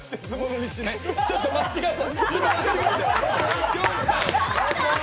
ちょっと間違えた。